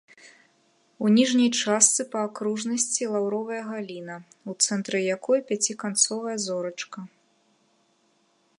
У ніжняй частцы па акружнасці лаўровая галіна, у цэнтры якой пяціканцовая зорачка.